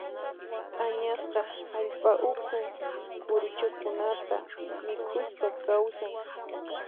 Añasqa hallp'a ukhu kuruchakunata mikhuspa kawsan.